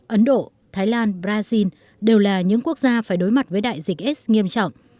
ấn độ thái lan brazil đều là những quốc gia phải đối mặt với đại dịch s nghiêm trọng